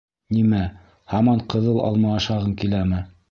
— Нимә, һаман ҡыҙыл алма ашағың киләме?